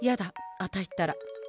あたいったら。